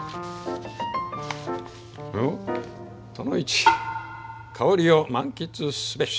「その１香りを満喫すべし」。